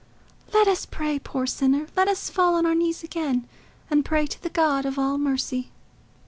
"Let us pray, poor sinner. Let us fall on our knees again, and pray to the God of all mercy."